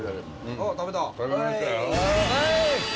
あっ食べた。